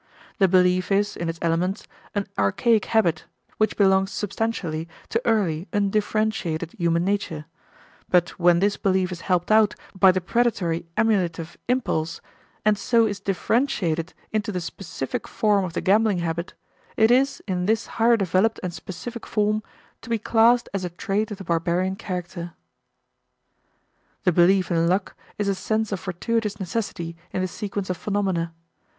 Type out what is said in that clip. The belief is, in its elements, an archaic habit which belongs substantially to early, undifferentiated human nature; but when this belief is helped out by the predatory emulative impulse, and so is differentiated into the specific form of the gambling habit, it is, in this higher developed and specific form, to be classed as a trait of the barbarian character. The belief in luck is a sense of fortuitous necessity in the sequence of phenomena.